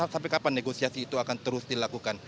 sampai kapan negosiasi itu akan terus dilakukan